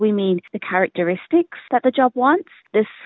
kita berarti karakteristik yang diinginkan pekerjaan